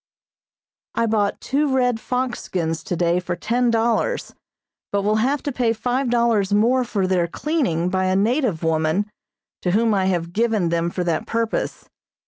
I bought two red fox skins today for ten dollars, but will have to pay five dollars more for their cleaning by a native woman, to whom I have given them for that purpose.